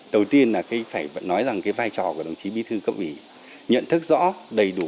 đầu tiên là phải nói rằng cái vai trò của đồng chí bí thư cấp ủy nhận thức rõ đầy đủ